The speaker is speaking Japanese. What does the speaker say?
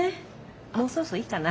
もうそろそろいいかな？